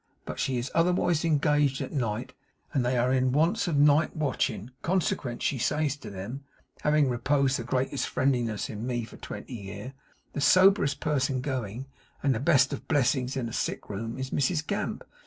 But she is otherways engaged at night, and they are in wants of night watching; consequent she says to them, having reposed the greatest friendliness in me for twenty year, "The soberest person going, and the best of blessings in a sick room, is Mrs Gamp.